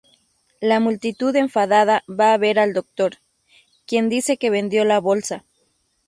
La multitud enfadada va a ver al doctor, quien dice que vendió la bolsa.